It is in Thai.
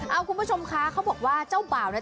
เอาคุณผู้ชมคะเขาบอกว่าเจ้าบ่าวเนี่ย